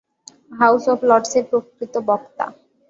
House of লর্ডসের প্রকৃত বক্তা।